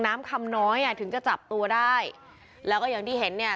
น้ำคำน้อยอ่ะถึงจะจับตัวได้แล้วก็อย่างที่เห็นเนี่ย